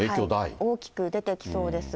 大きく出てきそうです。